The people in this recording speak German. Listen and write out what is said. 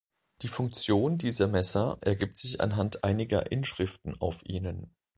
Die Funktion dieser Messer ergibt sich anhand einiger Inschriften auf ihnen.